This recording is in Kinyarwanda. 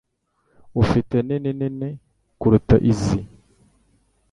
Ufite nini nini kuruta izi?